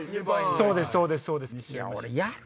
そうですそうです。